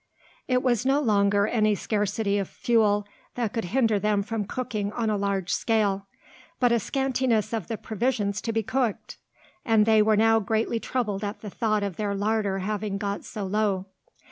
It was no longer any scarcity of fuel that could hinder them from cooking on a large scale, but a scantiness of the provisions to be cooked; and they were now greatly troubled at the thought of their larder having got so low.